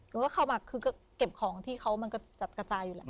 เขาก็เข้ามาคือก็เก็บของที่เขามันกระจัดกระจายอยู่แล้ว